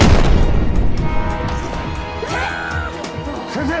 先生